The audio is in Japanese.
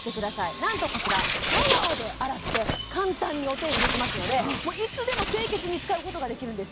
なんとこちらシャワーで洗って簡単にお手入れできますのでいつでも清潔に使うことができるんです